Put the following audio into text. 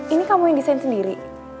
ini kamu yang desain sendiri